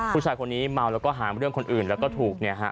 ผู้ชายคนนี้เมาแล้วก็หาเรื่องคนอื่นแล้วก็ถูกเนี่ยฮะ